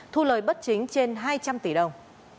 thu lời bất chính trên hai trăm linh tỷ đồng